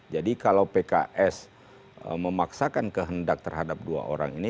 jadi kalau pks memaksakan kehendak terhadap dua orang ini